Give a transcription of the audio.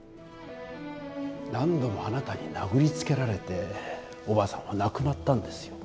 何度もあなたに殴りつけられておばあさんは亡くなったんですよ。